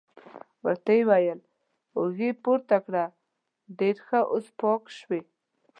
ورته یې وویل: اوږې پورته کړه، ډېر ښه، اوس پاک شوې.